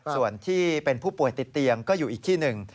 ส่วนที่เป็นผู้ป่วยติดเตียงก็อยู่อีกที่หนึ่ง